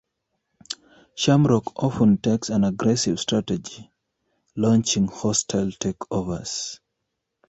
Shamrock often takes an aggressive strategy, launching hostile takeovers.